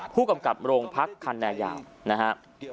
ผู้กำกับโรงพักคันแนยาวนะฮะ